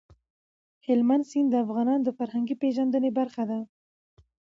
هلمند سیند د افغانانو د فرهنګي پیژندنې برخه ده.